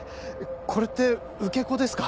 これって受け子ですか？